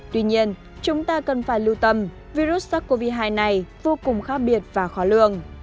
tuy nhiên chúng ta cần phải lưu tâm virus sars cov hai này vô cùng khác biệt và khó lường